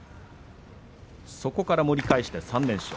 そこから盛り返して３連勝